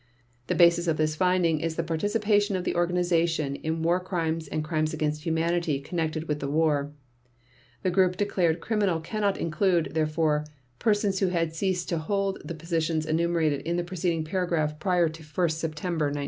The basis of this finding is the participation of the organization in War Crimes and Crimes against Humanity connected with the war; the group declared criminal cannot include, therefore, persons who had ceased to hold the positions enumerated in the preceding paragraph prior to 1 September 1939.